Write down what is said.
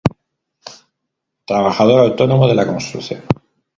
Trabajador autónomo de la construcción.